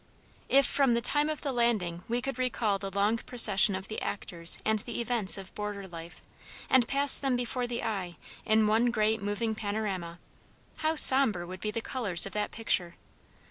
If from the time of the landing we could recall the long procession of the actors and the events of border life, and pass them before the eye in one great moving panorama, how somber would be the colors of that picture!